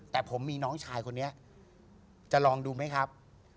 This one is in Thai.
แต่ผมมีน้องชายคนนี้จะลองดูไหมครับ